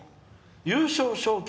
優勝賞金